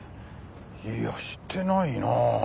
いやしてないなあ。